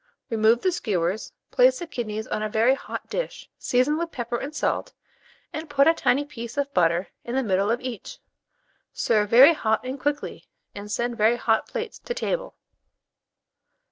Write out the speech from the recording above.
Remove the skewers, place the kidneys on a very hot dish, season with pepper and salt, and put a tiny piece of butter in the middle of each; serve very hot and quickly, and send very hot plates to table.